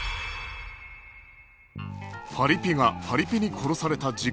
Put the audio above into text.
パリピがパリピに殺された事件